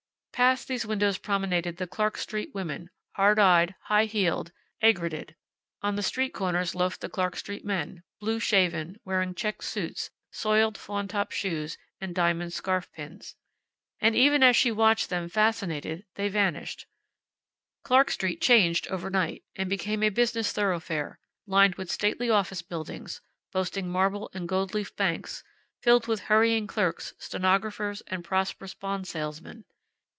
Past these windows promenaded the Clark street women, hard eyed, high heeled, aigretted; on the street corners loafed the Clark street men, blue shaven, wearing checked suits, soiled faun topped shoes, and diamond scarf pins. And even as she watched them, fascinated, they vanished. Clark street changed overnight, and became a business thoroughfare, lined with stately office buildings, boasting marble and gold leaf banks, filled with hurrying clerks, stenographers, and prosperous bond salesmen.